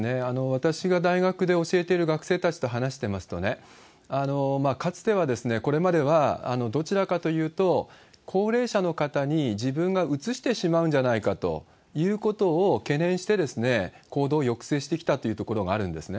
私が大学で教えてる学生たちと話してますとね、かつては、これまではどちらかというと、高齢者の方に自分がうつしてしまうんじゃないかということを懸念して、行動を抑制してきたというところがあるんですね。